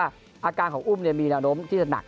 อาการของอุ้มเนี่ยมีหนออมที่ธรรมดาหนัก